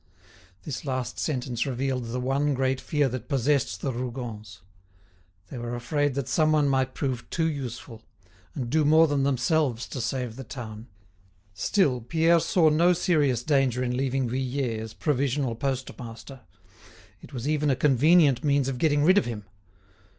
This last sentence revealed the one great fear that possessed the Rougons. They were afraid that some one might prove too useful, and do more than themselves to save the town. Still, Pierre saw no serious danger in leaving Vuillet as provisional postmaster; it was even a convenient means of getting rid of him.